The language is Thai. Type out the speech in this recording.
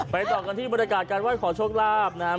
ต่อกันที่บรรยากาศการไห้ขอโชคลาภนะครับ